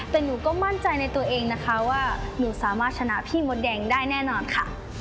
แต่หนูก็มั่นใจในตัวเองนะคะว่าหนูสามารถชนะพี่มดแดงได้แน่นอนค่ะ